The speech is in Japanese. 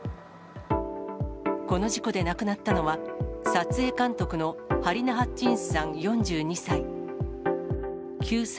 この事故で亡くなったのは、撮影監督のハリナ・ハッチンスさん４２歳。